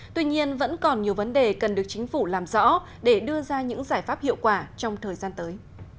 tuy nhiên vẫn còn nhiều vấn đề cần được chính phủ làm rõ để đưa ra những giải pháp hiệu quả trong thời gian tới